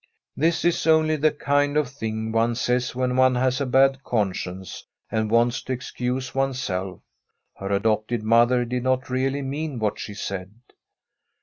This is only the kind of thing one says when one has a bad conscience, and wants to excuse CHie^s self. Her adopted mother did not really mean what she said.